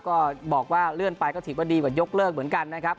ก็บอกว่าเลื่อนไปก็ถือว่าดีกว่ายกเลิกเหมือนกันนะครับ